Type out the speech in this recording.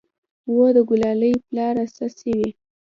وه د ګلالي پلاره څه سوې.